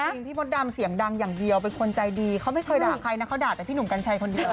จริงพี่มดดำเสียงดังอย่างเดียวเป็นคนใจดีเขาไม่เคยด่าใครนะเขาด่าแต่พี่หนุ่มกัญชัยคนเดียว